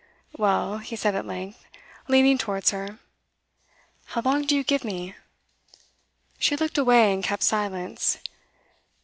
'Well,' he said at length, leaning towards her, 'how long do you give me?' She looked away, and kept silence.